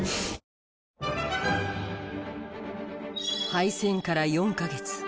敗戦から４カ月。